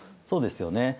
そうですよね。